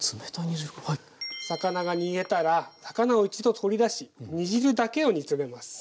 魚が煮えたら魚を一度取り出し煮汁だけを煮詰めます。